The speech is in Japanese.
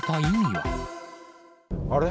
あれ？